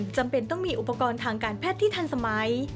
จำเป็นต้องมีอุปกรณ์ทางการแพทย์ที่ทันสมัย